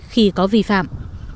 khi có vi phạm